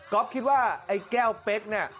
ก๊อฟคิดว่าไอ้แก้วเป๊กนี่